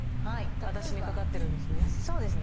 私にかかってるんですね。